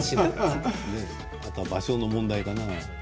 あとは場所の問題だな。